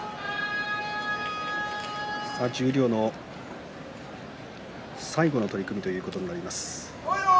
十両の最後の取組ということになります。